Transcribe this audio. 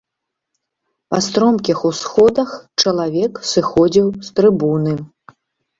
Па стромкіх усходах чалавек сыходзіў з трыбуны.